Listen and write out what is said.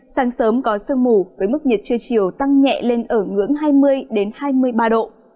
sáng sớm có sương mù với mức nhiệt trưa chiều tăng nhẹ lên ở ngưỡng hai mươi hai mươi ba độ